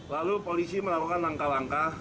lalu polisi melakukan langkah langkah